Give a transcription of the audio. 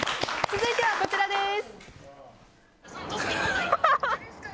続いては、こちらです。